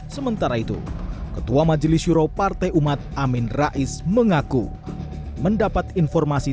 sementara itu ketua majelis syuro partai umat amin rais mengaku mendapat informasi